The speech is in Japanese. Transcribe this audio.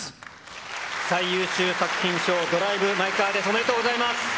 最優秀作品賞、ドライブ・マイ・カーです。